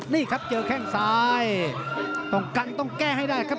นี่ครับเจอแข้งซ้ายต้องกันต้องแก้ให้ได้ครับ